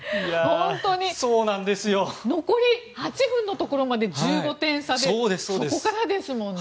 本当に残り８分のところまで１５点差でそこからですもんね。